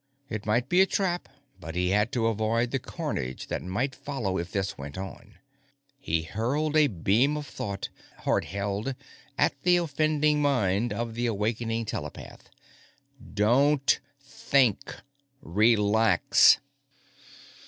It might be a trap, but he had to avoid the carnage that might follow if this went on. He hurled a beam of thought, hard held, at the offending mind of the awakening telepath. _DON'T THINK! RELAX!